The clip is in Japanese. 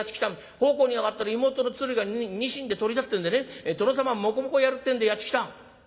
奉公に上がってる妹の鶴がニシンでトリだってんでね殿様もこもこやるってんでやって来た」。